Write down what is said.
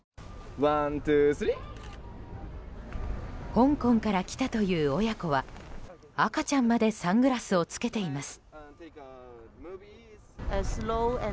香港から来たという親子は赤ちゃんまでサングラスを着けています。